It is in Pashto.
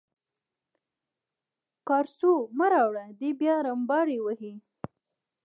کارسو مه راوړه دی بیا رمباړې وهي.